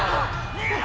逃げろ！